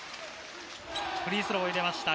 フリースロー入れました。